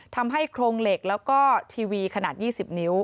ทำให้โครงเหล็กแล้วก็ทีวีขนาด๒๐นิ้ว